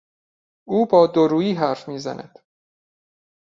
او با دورویی حرف میزند.